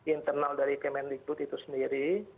internal dari kementerian likud itu sendiri